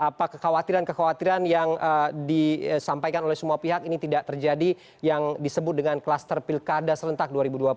apa kekhawatiran kekhawatiran yang disampaikan oleh semua pihak ini tidak terjadi yang disebut dengan kluster pilkada serentak dua ribu dua puluh